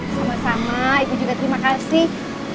sama sama ibu juga terima kasih